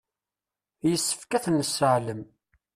Yessefk ad ten-nesseɛlem.